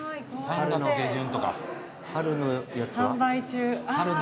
春のやつは？